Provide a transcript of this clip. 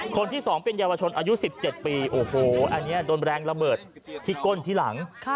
คนที่๒เป็นเยาวชนอายุ๑๗ปีโอ้โหอันนี้โดนแรงระเบิดที่ก้นที่หลัง